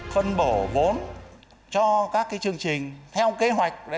phân bổ vốn cho các chương trình theo kế hoạch